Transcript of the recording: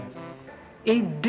mau tahu aja deh